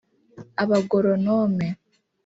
abagoronome